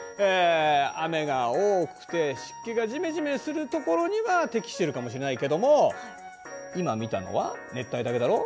雨が多くて湿気がジメジメするところには適しているかもしれないけども今見たのは熱帯だけだろ？